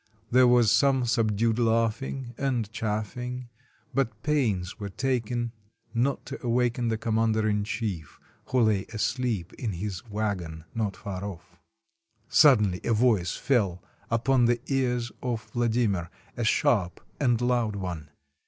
There was some subdued laughing and chaffing, but pains were taken not to awaken the commander in chief, who lay asleep in his wagon not far of!. Suddenly a voice fell upon the ears of Vladimir — a sharp and loud one.